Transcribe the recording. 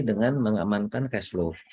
dengan mengamankan cash flow